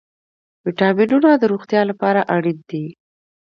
ویټامینونه د روغتیا لپاره اړین دي